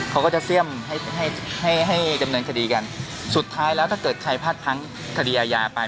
เขาก็จะเสี่ยมให้ให้ดำเนินคดีกันสุดท้ายแล้วถ้าเกิดใครพลาดพังคดีอาญาไป